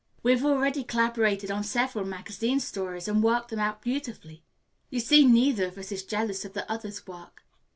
We have already collaborated on several magazine stories and worked them out beautifully. You see, neither of us is jealous of the other's work.